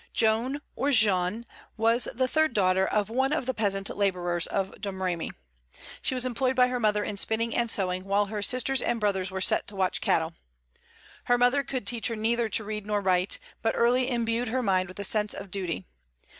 Joan, or Jeanne, was the third daughter of one of the peasant laborers of Domremy. She was employed by her mother in spinning and sewing, while her sisters and brothers were set to watch cattle. Her mother could teach her neither to read nor write, but early imbued her mind with the sense of duty.